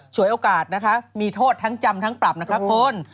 โอกาสนะคะมีโทษทั้งจำทั้งปรับนะคะคุณ